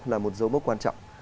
là một dấu mốc quan trọng